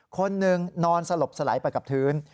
คนหนึ่งนอนสลบสลายไปกับพื้น